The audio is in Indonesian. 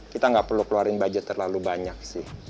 kita tidak perlu keluarkan budget terlalu banyak